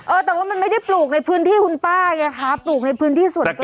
เออแต่ว่ามันไม่ได้ปลูกในพื้นที่คุณป้าไงคะปลูกในพื้นที่ส่วนตัว